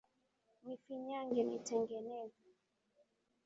Nifinyange, nitengeneze